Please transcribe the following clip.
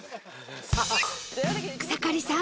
草刈さん